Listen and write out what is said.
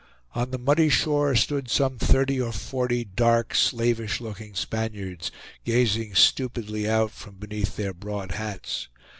On the muddy shore stood some thirty or forty dark slavish looking Spaniards, gazing stupidly out from beneath their broad hats.